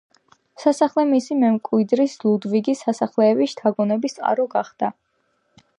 სასახლე მისი მემკვიდრის, ლუდვიგის სასახლეების შთაგონების წყარო გახდა.